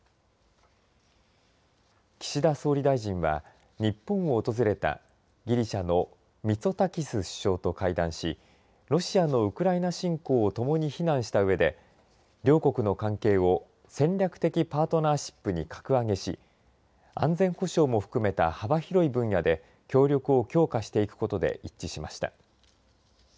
岸田総理大臣は日本を訪れたギリシャのミツォタキス首相と会談しロシアのウクライナ侵攻をともに非難したうえで両国の関係を戦略的パートナーシップに格上げし安全保障も含めた幅広い分野で協力を強化していくことで一致しました。